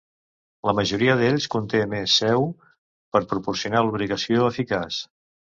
La majoria d'ells conté més sèu per proporcionar lubricació eficaç.